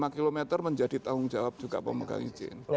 lima km menjadi tanggung jawab juga pemegang izin